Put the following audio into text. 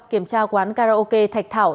kiểm tra quán karaoke thạch thảo